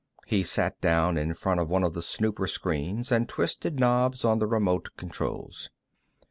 He sat down in front of one of the snooper screens and twisted knobs on the remote controls.